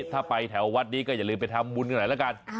ถ้าไปแถววัดนี้ก็อย่าลืมไปทำบุญกันหน่อยละกัน